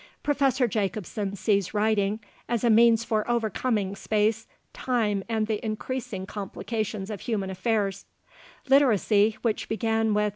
Professor Jacobsen sees writing as a means for overcoming space, time, and the increasing complications of human affairs: "Literacy, which began with